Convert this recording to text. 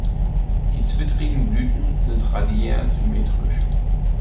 Die zwittrigen Blüten sind radiärsymmetrisch.